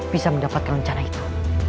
bisa mendapatkan rencana itu